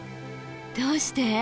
どうして？